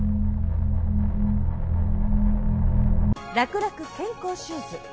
らくらく健康シューズ。